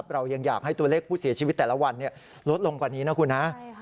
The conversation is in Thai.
เรายังอยากให้ตัวเลขผู้เสียชีวิตแต่ละวันลดลงกว่านี้นะคุณฮะ